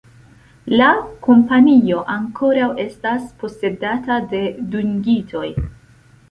La kompanio ankoraŭ estas posedata de dungitoj.